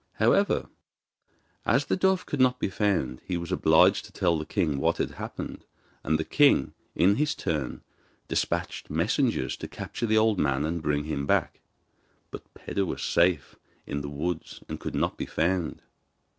However, as the dove could not be found, he was obliged to tell the king what had happened, and the king in his turn despatched messengers to capture the old man and bring him back. But Peder was safe in the woods, and could not be found.